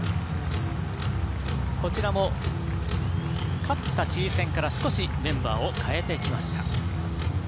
こちらも、勝ったチリ戦から少しメンバーを代えてきました。